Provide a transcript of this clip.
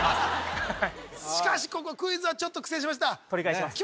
しかしここクイズはちょっと苦戦しました